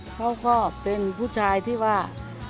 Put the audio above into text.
เขาก็เป็นผู้ชายที่ว่า